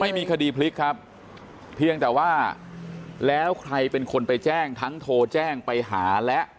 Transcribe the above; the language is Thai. ไม่มีคดีพลิกครับเพียงแต่ว่าแล้วใครเป็นคนไปแจ้งทั้งโทรแจ้งไปหาและ